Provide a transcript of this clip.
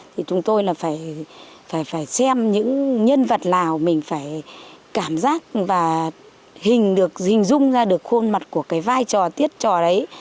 thì chúng tôi là phải xem những nhân vật lào mình phải cảm giác và hình được hình dung ra được khuôn mặt của cái vai trò tiết trò đấy